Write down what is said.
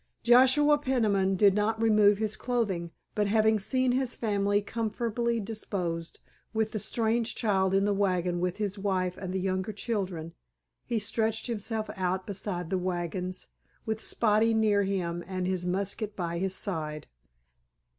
Joshua Peniman did not remove his clothing, but having seen his family comfortably disposed, with the strange child in the wagon with his wife and the younger children, he stretched himself out beside the wagons, with Spotty near him and his musket by his side.